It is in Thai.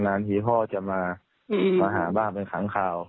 นานทีพ่อจะมาหาบ้างเป็นขังข่าว